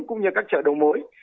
cũng như các chợ đầu mối